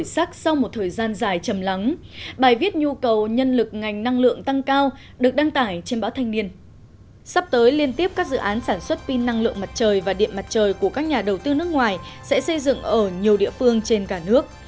sắp tới liên tiếp các dự án sản xuất pin năng lượng mặt trời và điện mặt trời của các nhà đầu tư nước ngoài sẽ xây dựng ở nhiều địa phương trên cả nước